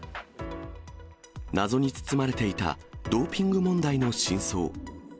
謎に包まれていたドーピング問題の真相。